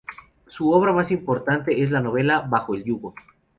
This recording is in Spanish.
Su obra más importante es la novela "Bajo el yugo".